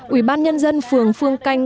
ủy ban nhân dân phường phương canh